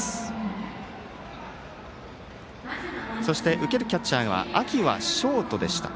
受けるキャッチャーは秋はショートでした。